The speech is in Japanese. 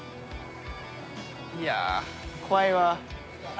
いやあ怖いわ。